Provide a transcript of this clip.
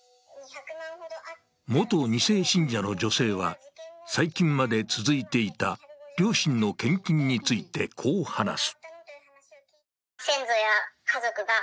元２世信者の女性は、最近まで続いていた両親の献金について、こう話す。